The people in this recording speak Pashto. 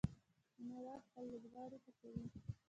مینه وال خپل لوبغاړي هڅوي.